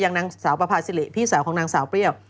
นางสาวประพาซิริพี่สาวของนางสาวเปรี้ยว